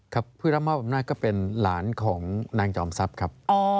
ผู้รับมอบอำนาจก็เป็นหลานของนางจอมทรัพย์ครับ